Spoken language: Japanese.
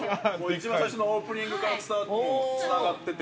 ◆一番最初のオープニングからつながってて。